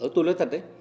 tôi nói thật đấy